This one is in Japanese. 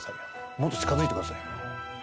もっと近づいてくださいよ。